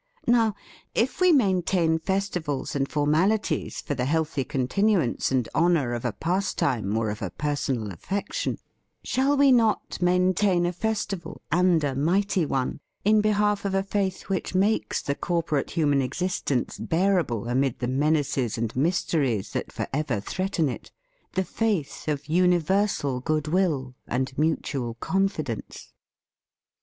Now, if we maintain festivals and formalities for the healthy continuance and honour of a pastime or of a per THE FEAST OF ST FRIEND sonal affection, shall we not maintain a festival — and a mighty one — in be half of a faith which makes the corpor ate human existence bearable amid the menaces and mysteries that for ever threaten it, — the faith of universal goodwill and mutual confidence?